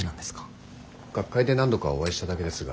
学会で何度かお会いしただけですが。